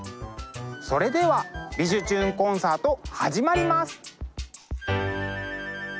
それでは「びじゅチューン！コンサート」始まります！